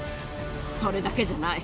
それだけじゃない。